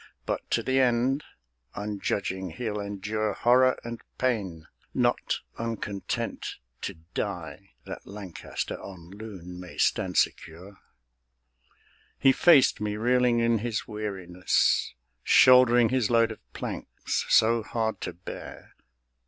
But to the end, unjudging, he'll endure Horror ancf pain, not uncontent to die That Lancaster on Lune may stand secure. He faced me, reeling in his weariness, Shouldering his load of planks, so hard to bear.